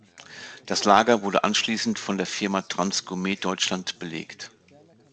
Das Lager wurde anschließend von der Firma Transgourmet Deutschland belegt.